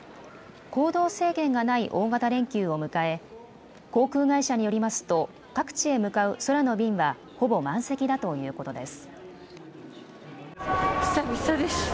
行動制限がない大型連休を迎え航空会社によりますと各地へ向かう空の便はほぼ満席だということです。